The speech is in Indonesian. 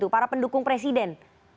para pendukung presiden